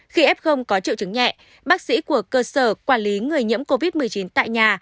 khi f có triệu chứng nhẹ bác sĩ của cơ sở quản lý người nhiễm covid một mươi chín tại nhà